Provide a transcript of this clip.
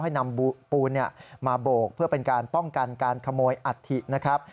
ให้นำปูนมาโบกเพื่อเป็นการป้องกันการขโมยอัฐินะครับ